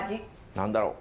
何だろう？